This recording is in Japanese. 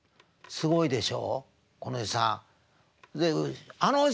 すごいでしょ？